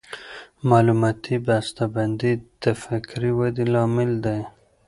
معلوماتي بسته بندي د فکري ودې لامل دی.